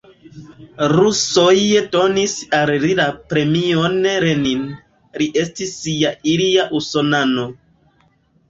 Rusoj donis al li la premion Lenin, li estis ja ilia usonano.